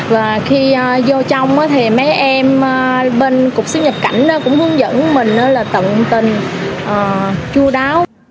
và khi vô trong thì mấy em bên cục xuất nhập cảnh cũng hướng dẫn mình là tận tình chú đáo